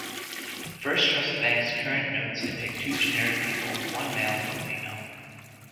First Trust Bank's current notes depict two generic people, one male, one female.